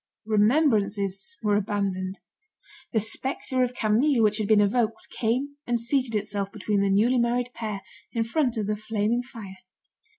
Remembrances were abandoned. The spectre of Camille which had been evoked, came and seated itself between the newly married pair, in front of the flaming fire.